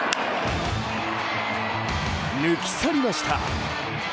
抜き去りました！